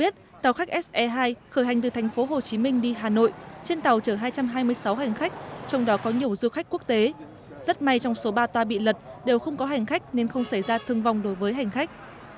tàu khách se hai khởi hành từ tp hcm đi hà nội trên tàu chở hai trăm hai mươi sáu hành khách trong đó có nhiều du khách quốc tế rất may trong số ba toa bị lật đều không có hành khách nên không xảy ra thương vong đối với hành khách